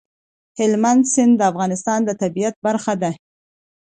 هلمند سیند د افغانستان د طبیعت برخه ده.